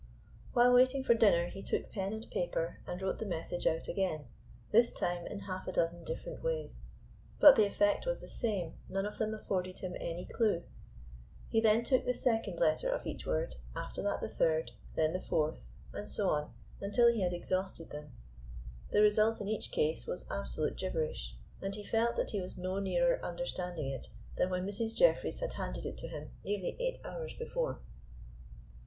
While waiting for dinner he took pen and paper and wrote the message out again, this time in half a dozen different ways. But the effect was the same, none of them afforded him any clue. He then took the second letter of each word, after that the third, then the fourth, and so on until he had exhausted them. The result in each case was absolute gibberish, and he felt that he was no nearer understanding it than when Mrs. Jeffrey's had handed it to him nearly eight hours before.